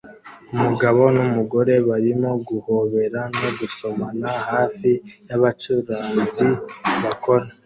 Umugabo numugore barimo guhobera no gusomana hafi yabacuranzi bakora